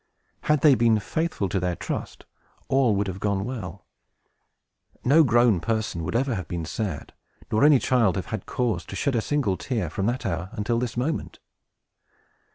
Had they been faithful to their trust, all would have gone well. No grown person would ever have been sad, nor any child have had cause to shed a single tear, from that hour until this moment.